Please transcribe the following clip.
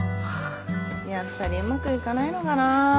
やっぱりうまくいかないのかな。